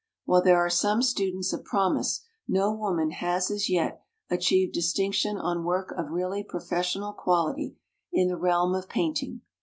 While there are some students of promise, no woman has as yet achieved distinction on work of really professional quality in the realm of painting.